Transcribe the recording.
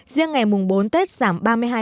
riêng ngày bốn tết giảm ba mươi hai năm